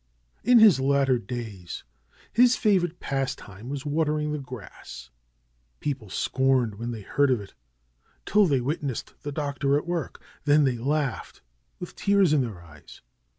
In his latter days his favorite pastime was watering the grass. People scorned when they heard of it, till they witnessed the Doctor at work; then they laughed, with tears in their eyes.